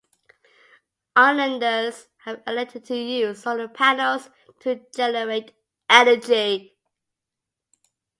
Islanders have elected to use solar panels to generate energy.